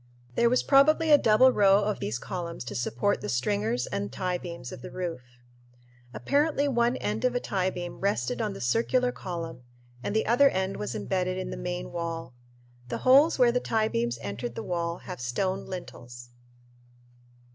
There was probably a double row of these columns to support the stringers and tiebeams of the roof. Apparently one end of a tiebeam rested on the circular column and the other end was embedded in the main wall. The holes where the tiebeams entered the wall have stone lintels.